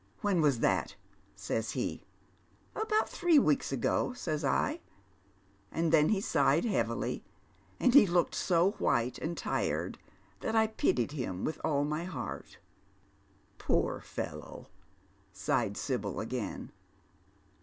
' When was that ?' says he. ' About three weeks ago,' says I. And then he sighed heavily, and he looked so wliito and tired that I pitied him with all my heart." " Poor fellow," sighed Sibyl again.